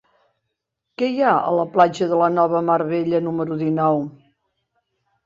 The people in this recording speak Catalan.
Què hi ha a la platja de la Nova Mar Bella número dinou?